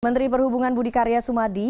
menteri perhubungan budi karya sumadi